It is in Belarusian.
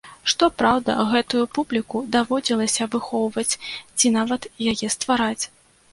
Што праўда, гэтую публіку даводзілася выхоўваць, ці нават яе ствараць.